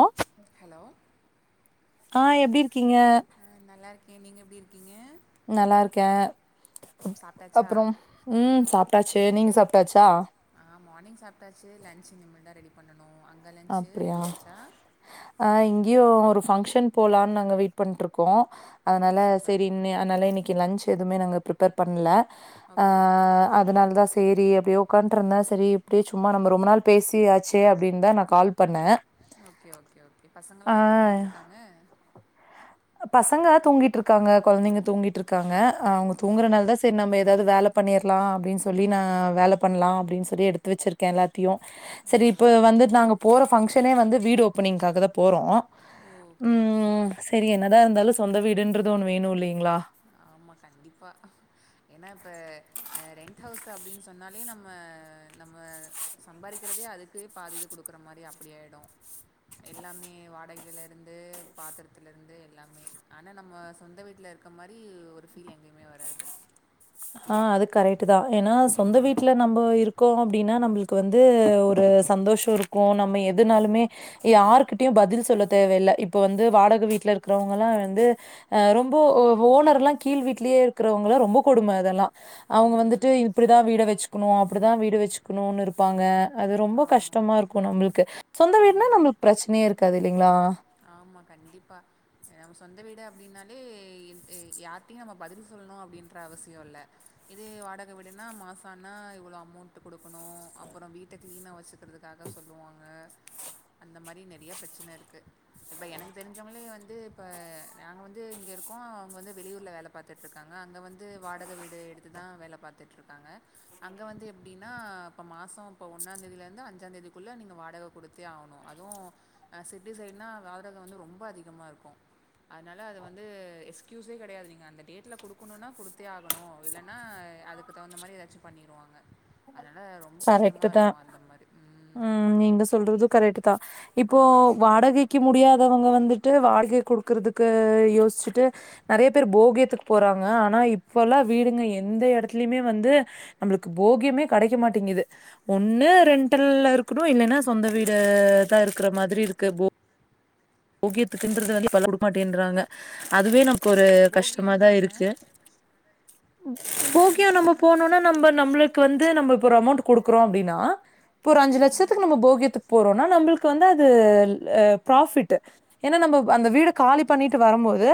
ஆ hello ஆ எப்டி இருக்கீங்க ஆ நல்லாருக்கே நீங்க எப்டி இருக்கீங்க நல்லாருக்கே சாப்ட்டாச்சா அப்புறம் ம் சாப்ட்டாச்சு நீங்க சாப்ட்டாச்சா ஆ மார்னிங் சாப்ட்டாச்சு லஞ்ச் இனிமேல தா ரெடி பண்ணனும் அங் அப்டியா ஆ இங்கேயு ஒரு ஃபங்க்ஷன் போலானு நாங்க வெயிட் பண்ட்ருக்கோ ஓ அதனால சூப்பர் செரி னு அதனால இன்னைக்கு லன்ச் எதுவுமே நாங்க பிரிப்பேர் பண்ணல ஆ ஓகே ஓகே அதனால தா ச சேரி அப்டியே உ்காண்ட்ருந்த சேரி இப்டியே சும்மா நம்ம ரொம்ப நாள் பேசியாச்சே அப்டின்னு தா நா கால் பண்ண ஓகே ஓகே ஓகே பசங்கள்லா என்ன பண்ணிட்டு இருக்காங்க பசங்க தூங்கிட்டு இருக்காங்க கொழந்தைங்க தூங்கிட்டு இருக்காங்க அவுங்க ஓ தூங்குறனால தா ஸ்- சேரி நம்ம ஏதாவது வேல பண்ணிர்லா அப்டின்னு சொல்லி நா ம் வேல பண்லா அப்டின்னு சொல்லி எடுத்து வச்சிருக் க எல்லாத்தையு ஓ செரி இப்ப வந்து நாங்க போற ஃபங்க்ஷனே வந்து வீடு ஓப்பனிங்க்காகதா போறோ ஓகே ஓகே செரி என்னதா இருந்தாலு சொந்த வீடுன்றது ஒன்று வேணு இல்லிங்களா ஆமா கண்டிப்பா ஏன்னா இப்ப ஆ ரெண்ட ஹவுஸ் அப்டின்னு சொன்னாலே நம்ம நம்ம சம்பாரிக்கிறதே அதுக்கே பாதி இது குடுக்குற மாரி அப்டியாயிடு எல்லாமே வாடகையில இருந்து பாத்திரத்துல இருந்து எல்லாமே ஆனா நம்ம சொந்த வீட்ல இருக்க மாரி அப்டி ஒரு ஃபீல் எங்கியுமே வராது ஆ அது கரெக்ட் தா ஏன்னா சொந்த ம் வீட்ல நம்ம இருக்கோ அப்டின்னா நம்பளுக் கு வந்து ஒரு சந்தோஷ இருக்கு நம்ம எதுனாலுமே ம் யாருகிட்டயு பதில் சொல்லத் தேவையில்ல இப்ப வந்து வாடகை வீட்ல இருக்கிறவங்களா வந்து ஆ ரொம்போ ஆ ஓனர்லா கீழ் வீட்லேயே இருக்கிறவங்களா ரொம்ப கொடும அதெல்லாம அவுங்க வந்துட்டு ம் இப்டிதான வீட வெச்சுக்கணு அப்டிதா வீட வெச்சுக்க ணுனு இருப்பாங்க அது ரொம்ப ஆமா கஷ்டமா இருக் கு நம்பள்க்கு சொந்த வீடுனா ம் நம்மளுக் பிரச்சனையே இருக்காது இல்லைங்களா ஆமா கண்டிப்பா நம்ம சொந்த வீடு அப்டின்னாலே இந் யாருட்டயு நம்ம பதில் சொல்லணு அப்டின்ற அவசிய இல்ல இதே வாடக வீடுனா மாச ஆனா இவ்வளோ அமௌண்ட் குடுக்கணு அப்புற வீட்ட க்ளீனா வச்சு க்றதுக்காக சொல்லுவாங்க அந்த மாரி நெறைய பிரச்சனை இருக்கு இப்போ எனக்கு தெரிஞ்சவங்களே வந்து இப்போ நாங்க வந்து இங்க இருக்கோ அவுங்க வந்து வெளியூர்ல வேல பாத்துட்டுருக்காங்க அங்க வந்து வாடக வீடு எடுத்து தா வேல பாத்துட்டு்ருக்காங்க அங்க வந்து எப்டின்னா இப்ப மாச இப்ப ஒன்னா தேதில இருந்து அஞ்சா தேதிக்குள்ள நீங்க வாடக கு டுத்தே ஆகணு அதுவு சிட்டி சைடுனா வாடக வந்து ரொம்ப அதிகமா இருக்கு அதனால அது வந்து எக்ஸ்கியூஸே கெடையாது நீங்க அந்த டேட்ல குடுக்கணுன்னா குடுத்தே ஆகணு இல்லனா அதுக் க்கு தகுந்த மாரி எதாச்சு பண்ணிருவாங்க அதனால ரொம்ப கரெக்ட்டு கஷ்டமாக தான். இருக்கு அந்த மாதிரி ம் நீங்க சொல்றது கரெக்ட் தா இப்போ வாடகைக்கு முடியாதவங்க வந்துட்டு வாடகை குடுக்குறதுக்கு யோசிச்சுட்டு நெறைய பேர் போகியத்துக்கு போறாங்க ஆனா இப்பல்லா வீடுங்க எந்த எடத்துலயுமே வந்து நம்மளுக்கு போகியமே கெடைக்க மாட்டேங்குது ஒண்ணு ரென்டல்ல இருக்கணு இல்லைன்னா சொந்த வீடு தா இருக்குற மாதிரி இருக்கு போ கியத்துக்குன்றது வந்து குடுக்மாட்டேன்றாங்க அதுவே நமக் கு ஒரு போகியம்னா கஷ்டமாதா என்ன இருக்கு போகியோ நம்ம போகியம்ன்றான்னா போனோனா புரி நம்ப நம்மளே க்கு வந்து நம்ம இப்ப ஒரு அமௌண்ட் கொடுக்கறோ அப்டினா இப்ப ஒரு அஞ்சு ம் லட்சத்துக்கு நம்ம போகியத்து போறோம்னா நம்மளுக்கு வந்து அது பிராஃபிட்டு ஏன்னா நம்ம அந்த வீட காலி பண்ணிட்டு வரம்போது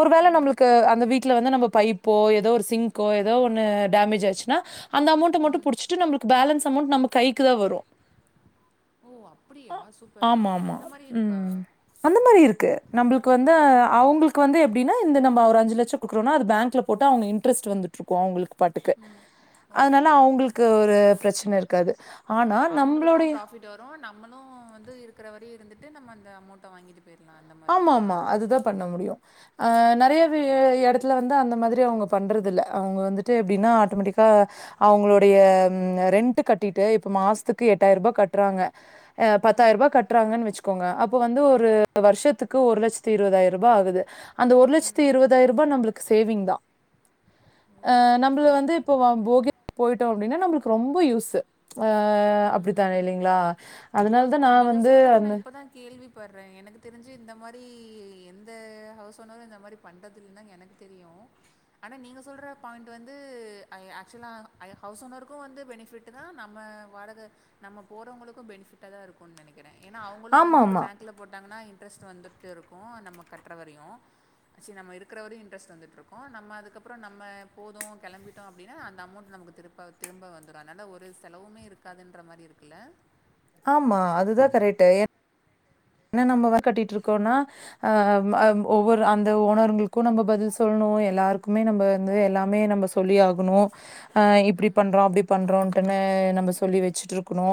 ஒரு வேள நம்மளுக்கு அந்த வீ டஅலவந்து நம்ம பைப்போ ஏதோ ஒரு சிங்க்கோ ஏதோ ஒன்னு டேமேஜ் ஆச்சுன்னா அந்த அமௌண்ட்ட மட்டு புடிச்சிட்டு நம்மளுக்கு பேலன்ஸ் அமௌண்ட் நம்ம கைக்கு தா வரு ஓ அப்பிடியா சூப்பர் அ ஆமா ஆமா அந்த மாரி இருக்கா ம் அந்த மாரி இருக்கு நம்பளுக்கு வந்து நான் அவுங்களுக் இப்ப வந்து எப்டினா இந்த நம்ம ஒரு அஞ்சு லட்ச குடுக்குறோம்னா அத பேங்க்ல போட்டு அங்க இன்டரெஸ்ட் வந்துட்டு இருக்கு அவுங்களுக்கு பாட்டுக்கு ஓ அதனால அவுங்களுக்கு ஒரு பிரச்சன இருக்காது ஆனா நம்பளோட யதா நம்மளு வந்து இருக்குற வரையு இருந்துட்டு நம்ம அந்த அமௌண்ட்ட வாங்கி கிட் ர்லா அந்த மார் ஆமா ஆமா அதுதா பண்ண முடியு ஆ நெறைய வி ஓகே எடத் ஓகே துல வந்து அந்த மாதிரி அவுங்க பண்றது இல்ல அவுங்க வந்துட்டு எப்டின்னா ஆட்டோமெட்டிக்கா அவுங்களோடைய ரெண்ட்டு கட்டிட்டு இப்ப மாசத்துக்கு எட்டாயிரரூபா கட்டுறாங்க பத்தாயிர ரூபா கட்டுறாங்கன்னு வச்சுக்கோங்க அப்போ வந்து ஒரு வருஷத்துக்கு ஒரு லட்சத்தத்து இருவதாயிர ரூபா ஆகுது அந்த ஒரு லட்சத்து இருவதாயிர ரூபா நம்மளுக் சேவிங் தா ஓ நம்மள ஓகே வந்து ஓகே இப்போ போகி போய்டோ அப்டின்னா நம்மளுக் ரொம்ப யூஸு ஆ அப்டித்தா இல்லீங்ளா ஆமா நீங்க சொல்றது நா இப்பதா கேள்வி பட்றே எனக்கு தெரிஞ்சு இந்த மாரி எந்த ஹவுஸ் ஓனரு இந்த மாரி பண்ணுறது இல்லன்தா எனக்கு தெரியு ஆனா நீங்க சொல்ற பாய்ண்டு வந்து ஆக்சுவலா அ ஹவுஸ் ஓனருக்கு வந்து பெனிஃபிட் தா நம்ம வாடக நம்ம போறவங்களுக்கு பெனிஃபிட்டா தா இருக்குன் நெனக்கிறே ஏன்னா அவுங்களு வந்து இப்ப ஆமாமா. பேங்க் கல போட்டாங்கன்னா இன்ட்ரெஸ்ட் வந்துட் இருக்கு நம்ம கட்ற வரையு சரி நம்ம இருக்கிற வரையு இன்டரெஸ்ட் வந்துட்ருக்கும் நம்ம அக்கப்புறோ போதும் நம்ம கெளம்பிட்டோம் அப்டின்னா அந்த அமோண்ட் நமக்கு திருப் இப்ப அது திரும்ப வந்துரும் அதுனால ஒரு செலவுமே இருக்காதுன்ற மாரி இருக்குல்ல ஆமா அதுதா கரேட்டு ஏ என்ன நம்ம வ கட்டிட்டு இருக்கோன்னா அ வ் ஒவ்வொரு அந்த ஓனர்களுக்கு நம்ம பதில் சொல்லணு எல்லாருக்குமே நம்ப வந்து எல்லாமே நம்ம சொல்லி ஆகு குனு ஆ இப்டி பண்றோம் அபபடி பண்றோன்டு நம்ம சொல்லி வச்சுட்டுருக்குணு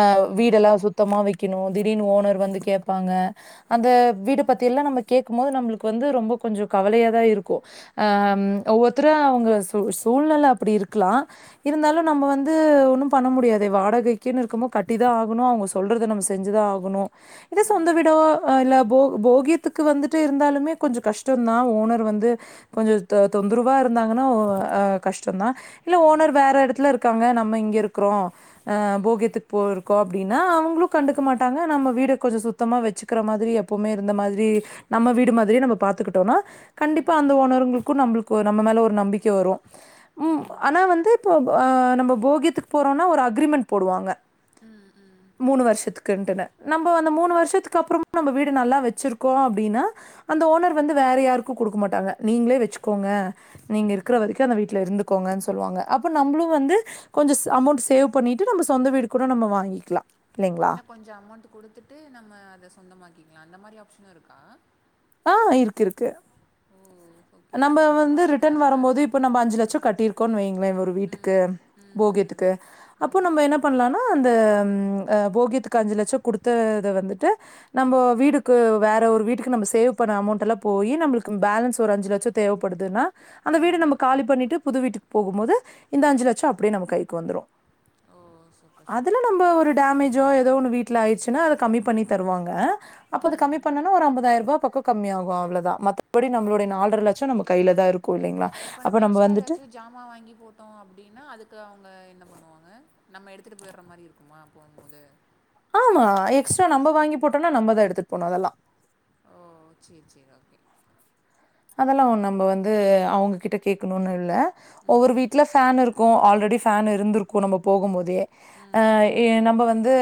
அ ம் வீடெல்லா சுத்தமா வைக்கணும் திடீர்னு ஓனர் வந்து கேப்பாங்க அந்த வீடு பத்தி எல்லாம் நம்ம கேக்கும் போது நம்மளுக்கு வந்து ரொம்ப கொஞ்சோ கவலையாதா இருக்கும் ம், ம், ஆம் ஒவ்வொருத்தர அவுங்க சூ சூழ்நில அப்டி இருக்லாம் இருந்தாலு நம்ப வந்து ஒன்னு பண்ண முடியாதே வாடகைகுன்னு இருக்கும் போ கட்டிதா ஆகணு அவங்க சொல்றத நம்ம செஞ்சுதா ஆகணு இதே ம், சொந்த வீடோ இல்ல போ போகியத்துக்கு வந்துட்டு இருந்தாலுமே கொஞ்சம் கஷ்டந் தா ஓனர் வந்து கொஞ்ச தொந் தொந்தரவா இருந்தாங்கன்னா ஒ அ கஷ்டந்தான் இல்ல ஓனர் ம், வேற எடத்துல இருக்காங்க நம்ம இங்க இருக்குறோம் ஆ ம், ம், போகியத்துக்கு போயிருக்கோ அப்டின்னா அவங்களும் கண்டுக்க மாட்டாங்க நம்ம வீடு கொஞ்ச சுத்தமா வச்சுக்ற மாதிரி எப்பவுமே இருந்த மாதிரி நம்ம ம், ம், வீடு மாதிரியே நம்ம பாத்துக்குட்டோன்னா கண்டிப்பா ம், அந்த ஓனர்ங்களுக்கும் நம்மளுக் நம்ம மேல ஒரு நம்பிக்க வரும் ம் ஆனா வந்து இப்போ அ நம்ம போகியத்துக்கு போறோம்னா ஒரு அக்ரிமெண்ட் போடுவாங்க ம் ம் மூணு வருஷத்துக்குட்டுனு நம்ப மூணு வருஷத்துக்கு அப்புறமும் நம்ப வீடு நல்லா வச்சுருக்கோம் அப்டின்னா அந்த ஓனர் வந்து வேற யாருக்கு குடுக்க மாட்டாங்க நீங்களே வச்சுக்கோங்க நீங்க இருக்கிற வரிக்கும் ம். அந்த வீட்ல இருந் கோங்க சொல்வாங்க அப்போ நம்மளு வந்து கொஞ்ச ஸ் அமௌண்ட் சேவ் பண்ணிட்டு நம்ப சொந்த வீடு கூட நம்ம வாங்கிக்கலாம் இல்லைங்களா இன்னும் கொஞ்சம் அமௌண்ட்டு குடுத்துட்டு நம்ம அத சொந்த மாக்கிக்கலாம் அந்த மாரி ஆப்ஷனு இருக்கா ஆன் இருக் இருக்கு ஓ ஓகே நம்ப ஓகே இந்த வந்து மாதிரி ரிட்டன் இருந்தால் வரும்போது நல்லாயிருக்கும் இப்ப நம்ப அஞ்சு ம் லட்சம் கட்டிரு கோன்னு வைங்களே ஒரு வீட்டுக்கு ம் ம் ம் போகியத்துக்கு அப்போ ம் நம்ப என்ன பண்ணலன்னா அந்த ம் அ போகியத்துக்கு அஞ்சு லட்சம் குடுத்தத வந்துட்டு நம்போ வீடுக்கு வேற ஒரு வீட்டுக்கு நம்ம சேவ் பண்ண அமௌண்ட் எல்லா போயி நம்மளுக்கு பேலன்ஸ் ஒரு அஞ்சு லட்ச் சம் தேவ படுதுன்னா அந்த வீடு ம் நம்ம காலி பண்ணிட்டு புது வீட்டுக்கு போகும் போது இந்த அஞ்சு லட்சம் அப்படியே நம்ம கைக்கு வந்துரும் ஓ சூப்பர் அதுல சூப்பர் நம்ப ஒரு டமேஜோ ஏதோ ஒண்ணு வீட்ல ஆயிடுச்சுன்னா அத கம்மி பண்ணி தருவாங்க அப்ப அது ம் கம்மி பண்ணோனா ஒரு ஐம்பதாயிர ரூபா பக்கம் கம்மியாகும் அவ்ளதா மத்தபடி நம்மடைய நால்ற லட் சம் நம்ப கையில தா இருக்கும் இல்லீங்களா இப்போ அப்ப நம்ம எக்ஸ்ட்ரா வந்துட்டு ஏதாச்சும் ஜாமான் வாங்கி போட்டோம் அப்டின்னா அதுக்கு அவுங்க என்ன பண்ணுவாங்க நம்ம எடுத்துட்டு போயிற மாரி இருக் குமா போம் போது ஆமா எக்ஸ்ட்ரா நம்ப வாங்கி போட்டோன்னா நம்ப தா எடுத்துட்டு போனு அதெல்லா ஓ சேரி சேரி ஓகே அதெல்லா நம்ப வந்து அவங்க கிட்ட கேக்ணுன் இல்ல ஒவ்வொரு ம் வீட்டுல ஃபேன் இருக்குன் ஆல்ரெடி ஃபேன் இருந்திருக்கு நம்ப போகும் போதே ம் அ ம் ஏ நம்ப வந்து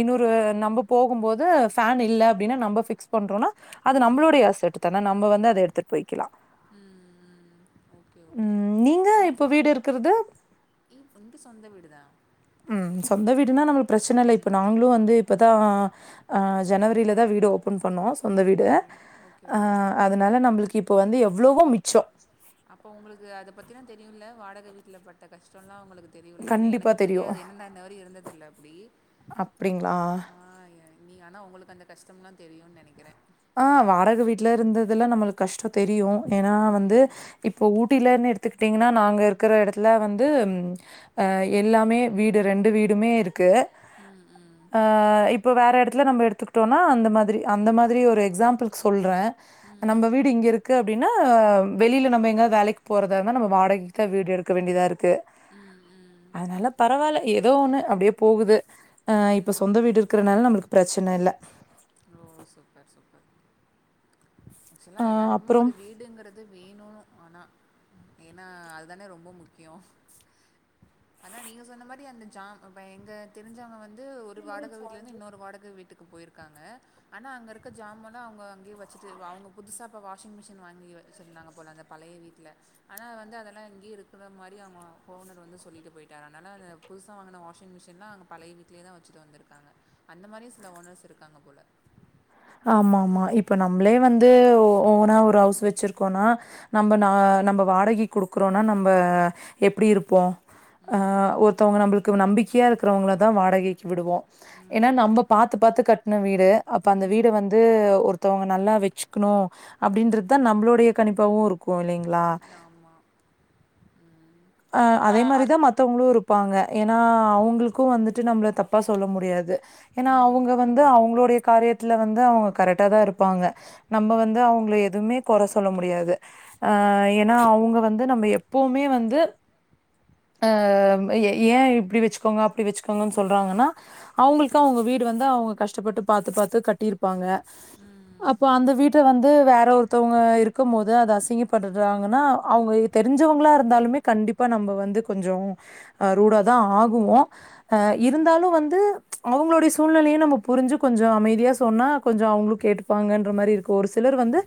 இன்னொரு நம்ப போகும்போது ஃபேன் இல்ல அப்பிடின்னா நம்பபிக் க்ஸ் பண்றோனா அது நம்ளோடைய அசட்டு தானா நம்ப வந்து அத எடுத்திட் போய்க்கலா ம் ம் ஓகே ஓகே ம் நீங்க இப்போ வீடு இருக்கிறது வந்து சொந்தவீடு தா ம் சொந்தவீடுன்னா நம்மளு பிரச்சன இல்ல இப்ப ம் நாங்களு வந்து இப்பதா அ ஜனவரில தா வீடு ஓப்பன் பண்ணோ சொந்த வீடு ஓ ஓகே அ ஓகே அதுனால நம்ப்ளுக்கு இப்பொவந்து எவ்ளோவோ மிச்சொ அப்ப உங்களுக்கு அத பத்தினா தெரியுல்ல வாடக வீட்டுல பட்ட கஷ்டொல்லா உங்குளுக் தெரியுல்ல என்னா கண்டிப்பா எனக்கு தெரியும். தெரியாது என்னன்ன நா வரியு இருந்ததில்ல அப்புடி அப்டிங்களா? அ ஏ நீ ஆன்னா உங்களுக்கு அந்த கஷ்டம்லா தெரியுன் நெனைக்கிற அ வாடக வீட்ல இருந்ததுல்ல நம்மளுக்கு கஷ்டொ தெரியு ஏனா வந்து ம் இப்போ ஊட்டிலன்னு எடுத்துக்கிட்டிங்க்ன்னா நாங்க இருக்குற எடத்துல வந்து அ எல்லாமே வீடு ரெண்டுவீடுமே இருக்கு ம் ம் அ இப்ப வேற எடத்துல நம்ப எடுத்துக்கிட்டோன்னா அந்த மாதிரி அந்த மா திரி ஒரு எக்ஸாம்புள்க்கு சொல்றெ ம் நம்ப வீடு இங்க இருக்கு அப்டின்னா வெளில நம்ப எங்காத் வேலைக் போறதா இராந்தா நம்ப வாடக் க வீடு எடுக்கவேண்டிதாருக்கு ம் ம் அதுனால பரவால்ல ஏதோ ஒண்ணு அப்டே போகுது அ இப்ப ம் சொந்த வீடு இருக்குறனால நம்மளுக்கு பிரச்சன இல்ல ஓ சூப்பர் சூப்பர் ஆக்சுலா அ எல்லாருக்குமே அப்புறம் ஒரு வீடுங்கற து அது வேணு ஆன்னா ஏன்னா அதுதான ரொம்பமுக்கியொ அதா நீங்க சொன்னமாரி அந்த ஜாம் அப்பஎங்க தெரிஞ்சவ்ங்க வந்து ஒரு வாடக வீட்லருந்து இன்னொரு வாடக வீட்டுக்கு போயிருகாங்க அனா அங்கருக்க ஜாமல்லா அவுங்க அங்கே வச்சிட்டு அவுங்க புதுசா அப்ப வாஷிங்மெஷின் வாங்கி வெச்சிருந்தாங்க போல அந்தப் பழைய வீட்டுல அனா வந்து அதெல்லா இங்கே இருக்குற மாரி அவுங்க ஒ ஓனர் வந்து சொல்லிட்டு போய்ட்டாரா அதனா அந்த புதுசா வாங்குன வாஷிங்மெஷின்லா பழைய வீட்லே தா வச்சிட்டு வந்துருக்கங்க அந்த மாரி சில ஓனர்ஸ் இருக்காங்கபோல ஆம்மா ஆம்மா இப்ப நம்ப்ளே வந்து ஒ ஓனா ஒரு ஹவுஸ் வச்சிருக்கோன்னா நம்ப நா நம்ப வாடகிக் குடுக்குறோனா நம்ப எப்பிடி இருப்போ அ ம் ஒர்த்தவுங்க நம்பளுக்கு நம்பிக்கியா இருக்குறவங்கள தா வாடகிக்கு விடுவோ என்னா ம் நம்ப பாத்துப்பாத்து கட்ன வீடு அப்ப அந்த வீடு வந்து ஒர்த்தவுங்க நல்லா வெச்சுக்குணு அப்டின்றத்தா நம்பளுடைய கணிப்பாவுருக்கு இல்லிங் லா ம் ஆமாம் அ ஆ அதே அ மாரிதா மத் தவுங்ளுருப்பாங்க ஏன்னா அவுங்ளுக்கு வந்துட்டு நம்ப்ள தப்பா சொல்லமுடியாது என்னா ம் அவுங்க வந்து அவுங்களோடைய காரியத்ல வந்து அவு கரெக்டா தாருப்பாங்க நம்ப ம் வந்து அவுங்ல எதும்மே கொற சொல்ல முடியாது அ என்னா அவுங்க வந்து நம்ப எப்பவுமே வந்து அ ஏ இப்டி வச்சுக்கோங்க அப்டி வச்சுக்கோங்கன்னு சொல்றாங்கன்னா அவுங்குள்க்கு அவுங்க வீடு வந்து அவுங்க கஷ்டப்பட்டு பாத்துபாத்து கட்டீர்ப்பாங்க ம் அப்போ அந்த வீட்ட வந்து வேற ஒருத்தவுங்க இருக்கும்மோது அது அசிங்கப்படுத்துறாங்கன்னா அ அவுங்க தெரிஞ்சவுங்களாருந்தாலுமே கண்டிப்பா நம்ப வந்து கொஞ்சொ அ ரூடாதா ஆகுவோ அ ம் இருந்தாலு வந்து அவுங்ளோடைய சூழ்நிலையு நம்ப புரிஞ்சு கொஞ்சொ அமைதியா சொன்னா கொஞ்சொ அவுங்ளு கேட்டுப்பாங்கன்ற மாரி இருக்கு ஒருசிலர் வந்து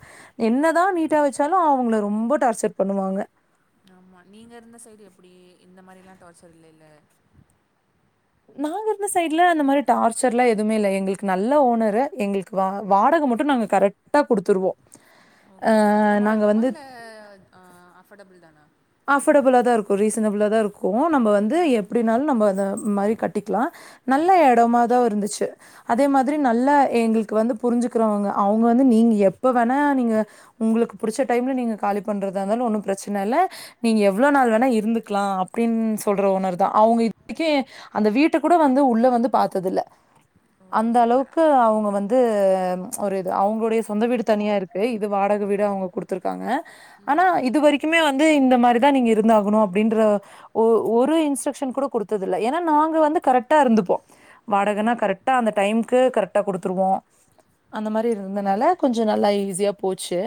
என்னதா நீட்டா வெச்சாலு அவுங்கள ரொம்ப டார்ச்சர் பண்ணுவாங்க ஆம்மா நீங்க இருந்த சைடு எப்புடி இந்த மாரில்லா டார்ச்சர் இல்லல்ல நாங்க இருந்த சைட்ல இந்த மாரி டார்ச்சர்ல்லா எதுமே இல்ல எங்குளுக்கு நல்ல ஓனரு எங்குளுக்கு வா வாடக மட்டு நாங்க கரெக்டா குடுத்துர்வோ ஓக்கே ஓக்கே அதிகமா இர்க்குமா இல்ல அத் ஆ அஃபர்டபுள் தானா அஃபோர்டபுளா தா இருக்கு ரீசனபுளா தா இருக்கு நம்ப வந்து ம் எப்டினாலு நம்ப அத மாரி கட் டிக்கலா நல்ல இடமாதோ இருந்துச்சு அதே மாதிரி நல்லா எங்களுக்கு வந்து புரிஞ்சுக்கறவங்க அவங்க வந்து நீங்க எப்ப வேணா நீங்க உங்களுக்கு புடிச்ச டைம்ல நீங்க காலி பண்றதா இருந்தாலு ஒண்ணு பிரச்சன இல்ல நீங்க எவ்ளோ நாள் வேணா இருந்துக்கலா அப்டின்னு சொல்ற ஓனர் தான் அவ்ங்க இதுக்கே அந்த வீட்ட கூட வந்து உள்ள வந்து பாத்ததுல ஓ அந்த சூப்பரா அளவுக்கு அவுங்க ம் வந்து இது ஒரு இது அவுங்ளுடைய சொந்த வீடு தனியா இருக்கு இது வாடக வீடு ம் அவுங்க குடுத்து துருக்காங்க ஆனா ம் இது ம் வரைக்குமே வந்து இந்த மாரிதா நீங்க இருந்தாகணு அப்டின்ற ஒ ஒரு இன்ஸ்ட்ரக்க்ஷன் கூட குடுத்தது இல்ல ஏன்னா நாங்க வந்து கரெக்டா இருந்துப்போ வாடகனா ம் கரெக்டா அந்த டைம்கு கரெக்டா குடுத்துருவோ அந்த மாரி ம் இருந்தனால கொஞ்ச நல்லா ஈஸியா போச்சு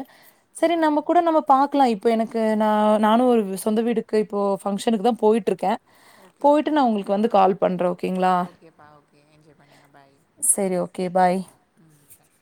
ஓ செரி நம்ம கூட நம்ப பாக்கலா இப்ப எனக்கு நா நானு ஒரு சொந்த வீடுக்கு இப்போ பங்க்ஷனுக்கு தா போய்ட்டு இருக்கே ஓகே ஓகே போயிட்டு வாங்க ஆ ஓகேங்களா? ஓகேப்பா ஓகே என்ஜாய் பண்ணுங்க பாய் செரி ஓகே பாய் ம் பாய்